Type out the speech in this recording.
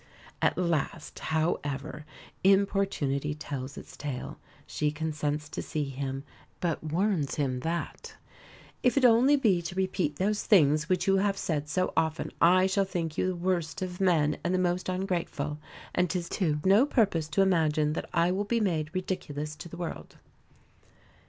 At last, however, importunity tells its tale. She consents to see him; but warns him that "if it be only to repeat those things which you have said so often, I shall think you the worst of men and the most ungrateful; and 'tis to no purpose to imagine that I will be made ridiculous to the world."